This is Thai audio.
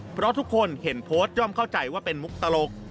เพราะทุกคนเห็นโพสต์ย่อมเข้าใจว่าเป็นมุกตลก